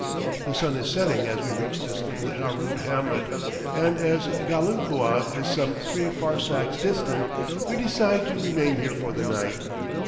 The sun is setting as we reach this little Harood hamlet, and, as Ghalakua is some three farsakhs distant, we decide to remain here for the night.